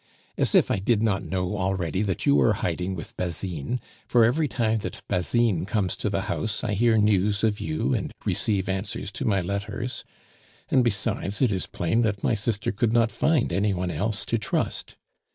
As if I did not know already that you are hiding with Basine, for every time that Basine comes to the house I hear news of you and receive answers to my letters; and besides, it is plain that my sister could not find any one else to trust.